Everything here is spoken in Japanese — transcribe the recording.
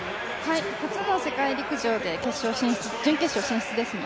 初の世界陸上で準決勝進出ですね。